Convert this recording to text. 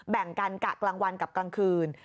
แบ่งกันกะกลางวันกับกลางคืน